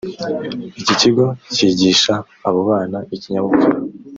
Iki kigo cyigisha abo bana ikinyabupfura